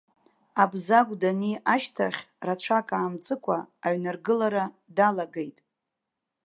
Абзагә дани ашьҭахь, рацәак аамҵыцкәа, аҩныргылара далагеит.